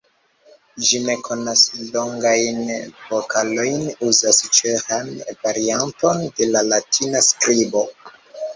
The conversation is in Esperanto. Ĝi ne konas longajn vokalojn, uzas ĉeĥan varianton de la latina skribo.